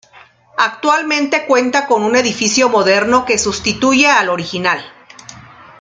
Actualmente cuenta con un edificio moderno que sustituye al original.